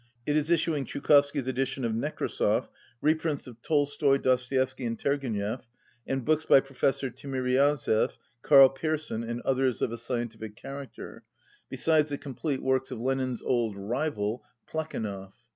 It is issuing Chukov sky's edition of Nekrasov, reprints of Tolstoy, Dostoievsky and Turgenev, and books by Pro fessor Timiriazev, Karl Pearson and others of a scientific character, besides the complete works of 186 Lenin's old rival, Plekhanov.